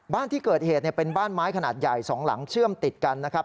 บ้านที่เกิดเหตุเป็นบ้านไม้ขนาดใหญ่๒หลังเชื่อมติดกันนะครับ